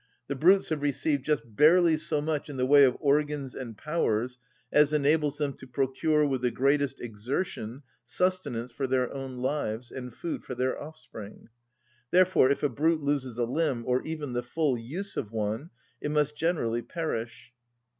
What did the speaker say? The brutes have received just barely so much in the way of organs and powers as enables them to procure with the greatest exertion sustenance for their own lives and food for their offspring; therefore if a brute loses a limb, or even the full use of one, it must generally perish.